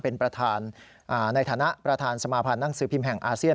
เป็นประธานในฐานะประธานสมาพันธ์หนังสือพิมพ์แห่งอาเซียน